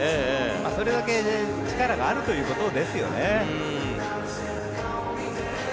それだけ力があるということですよね。